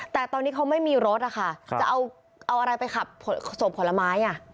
แต่ตอนนี้เขาไม่มีรถอะค่ะจะเอาอะไรไปขับส่งผลไม้